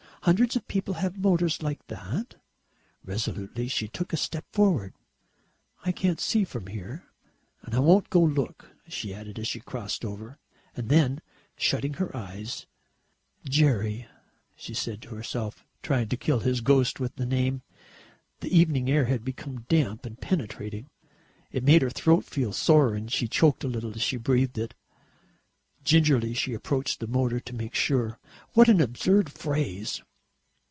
Hundreds of people have motors like that." Resolutely she took a step forward. "I can't see from here, and I won't go and look," she added as she crossed over. And then, shutting her eyes: "Jerry," she said to herself, trying to kill his ghost with his name. The evening air had become damp and penetrating. It made her throat feel sore and she choked a little as she breathed it. Gingerly she approached the motor to make sure. What an absurd phrase!